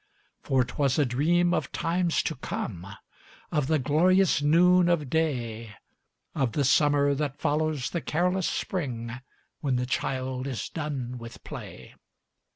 For 't was a dream of times to come Of the glorious noon of day Of the summer that follows the careless spring When the child is done with play.